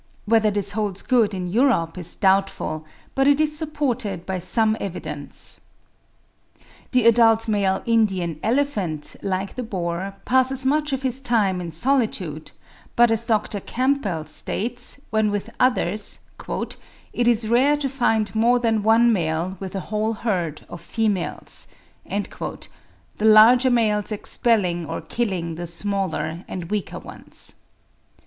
Whether this holds good in Europe is doubtful, but it is supported by some evidence. The adult male Indian elephant, like the boar, passes much of his time in solitude; but as Dr. Campbell states, when with others, "It is rare to find more than one male with a whole herd of females"; the larger males expelling or killing the smaller and weaker ones.